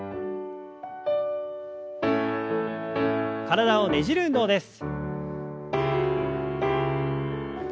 体をねじる運動です。